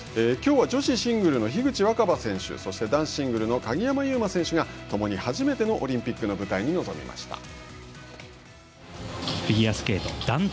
きょうは女子シングルの樋口新葉選手そして男子シングルの鍵山優真選手がともに初めてのオリンピックの舞台に臨みました。